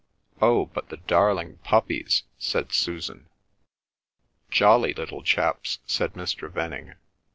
"Oh, but the darling puppies," said Susan. "Jolly little chaps," said Mr. Venning.